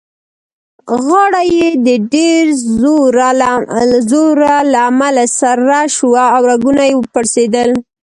غاړه يې د ډېر زوره له امله سره شوه او رګونه يې پړسېدل.